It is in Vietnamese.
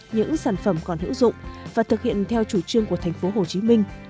những sản phẩm còn hữu dụng và thực hiện theo chủ trương của thành phố hồ chí minh